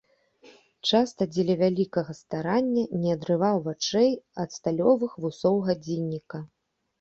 Часта дзеля вялікага старання не адрываў вачэй ад сталёвых вусоў гадзінніка.